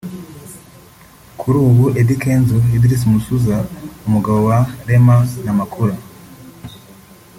Kuri ubu Eddy Kenzo [Edris Musuuza] umugabo wa Rema Namakula